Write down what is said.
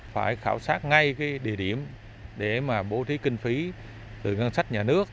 phải khảo sát ngay cái địa điểm để mà bố trí kinh phí từ ngân sách nhà nước